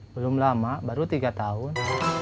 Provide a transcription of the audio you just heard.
belum lama baru tiga tahun